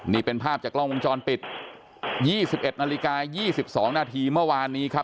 นี่เป็นภาพจากล้องมุมจรปิดยี่สิบเอ็ดนาฬิกายี่สิบสองนาทีเมื่อวานนี้ครับ